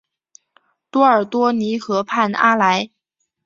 多尔多尼河畔阿莱。